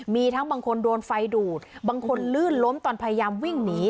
มีทั้งบางคนโดนไฟดูดบางคนลื่นล้มตอนพยายามวิ่งหนี